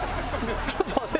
ちょっと待って。